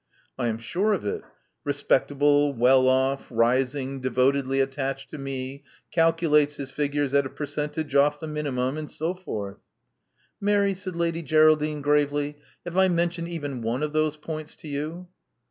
"I am sure of it. Respectable, well off, rising, devotedly attached to me, calculates his figures at a percentage off the minimum, and so forth." "Mary," said Lady Geraldine gravely: "have I mentioned even one of those points to you?"